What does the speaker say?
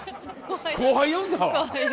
後輩呼んだわ。